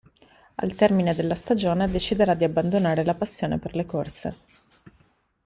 Al termine della stagione deciderà di abbandonare la passione per le corse.